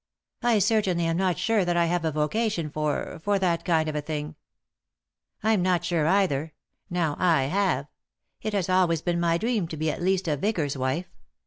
"I certainly am not sure that I have a vocation for— for that kind of thing." " I'm not sure either. Now, I have. It has always been my dream to be at least a vicar's wife.